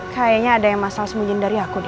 kayaknya ada yang masalah sembunyiin dari aku